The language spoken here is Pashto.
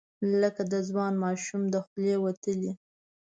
لکه د ځوان ماښام، د خولې وتلې،